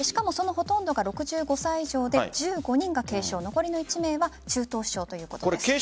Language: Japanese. そのほとんどが６５歳以上で１５人が軽症残りの１名は中等症ということです。